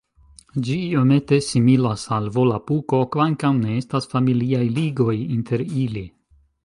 Ĝi iomete similas al Volapuko kvankam ne estas familiaj ligoj inter ili.